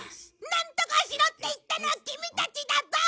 なんとかしろって言ったのはキミたちだぞ！